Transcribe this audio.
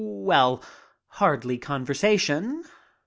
Well, hardly conversation.